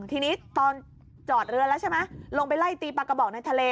ทีนี้ตอนจอดเรือแล้วใช่ไหมลงไปไล่ตีปลากระบอกในทะเล